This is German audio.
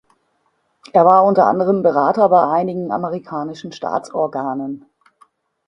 Er war unter anderem Berater bei einigen amerikanischen Staatsorganen.